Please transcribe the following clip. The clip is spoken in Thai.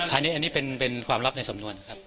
อันนี้เป็นความลับในสำนวนครับ